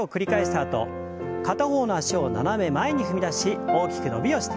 あと片方の脚を斜め前に踏み出し大きく伸びをして。